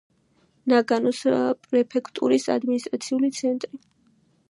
ნაგანოს პრეფექტურის ადმინისტრაციული ცენტრი.